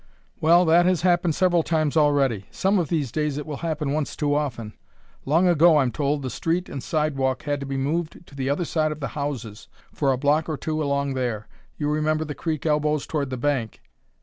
"Well, that has happened several times already; some of these days it will happen once too often. Long ago, I'm told, the street and sidewalk had to be moved to the other side of the houses for a block or two along there. You remember the creek elbows toward the bank.